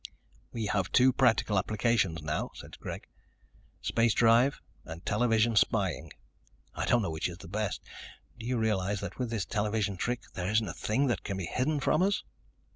"We have two practical applications now," said Greg. "Space drive and television spying. I don't know which is the best. Do you realize that with this television trick there isn't a thing that can be hidden from us?"